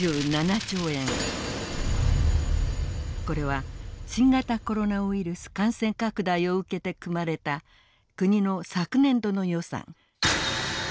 これは新型コロナウイルス感染拡大を受けて組まれた国の昨年度の予算。